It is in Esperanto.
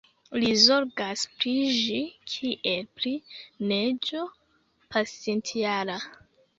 Li zorgas pri ĝi kiel pri neĝo pasintjara.